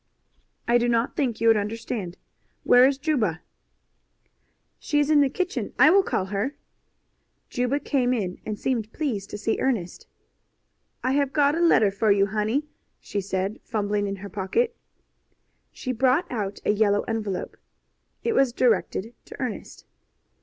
"I do not think you would understand. Where is Juba?" "She is in the kitchen. I will call her." Juba came in and seemed pleased to see Ernest. "I have got a letter for you, honey," she said, fumbling in her pocket. She brought out a yellow envelope. It was directed to Ernest.